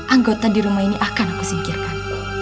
anggota di rumah ini akan aku singkirkan